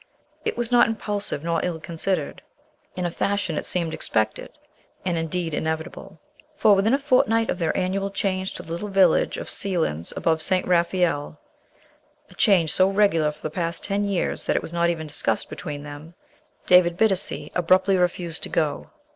It was not impulsive nor ill considered. In a fashion it seemed expected, and indeed inevitable. For within a fortnight of their annual change to the little village of Seillans above St. Raphael a change so regular for the past ten years that it was not even discussed between them David Bittacy abruptly refused to go.